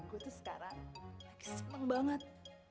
gue tuh sekarang lagi seneng banget